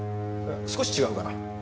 少し違うかな。